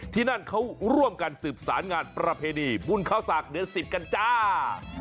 ที่นั่นเขาร่วมกันสืบสารงานประเพณีบุญเข้าศักดิ์เดือน๑๐กันจ้า